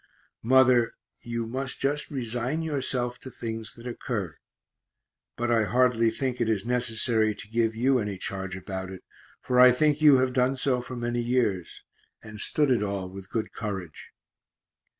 Mother, you must just resign yourself to things that occur but I hardly think it is necessary to give you any charge about it, for I think you have done so for many years, and stood it all with good courage.